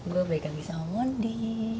gue baik lagi sama mondi